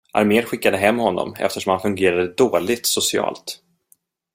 Armén skickade hem honom eftersom han fungerade dåligt socialt.